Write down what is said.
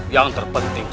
jangan jadi begitu